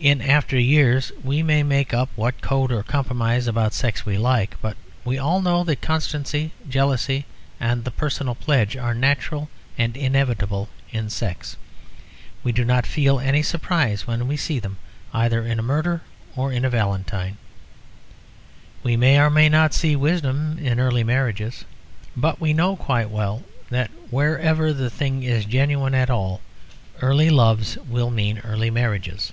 In after years we may make up what code or compromise about sex we like; but we all know that constancy, jealousy, and the personal pledge are natural and inevitable in sex; we do not feel any surprise when we see them either in a murder or in a valentine. We may or may not see wisdom in early marriages; but we know quite well that wherever the thing is genuine at all, early loves will mean early marriages.